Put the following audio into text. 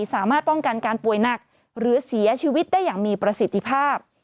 สามารถป้องกันการป่วยหนักหรือเสียชีวิตได้อย่างมีประสิทธิภาพ